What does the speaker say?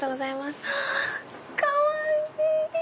かわいい！